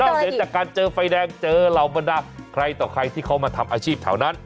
เหนือจากการเจอไฟแดงเจอเหล่าบรรดาใครต่อใครที่เขามาทำอาชีพแถวนั้น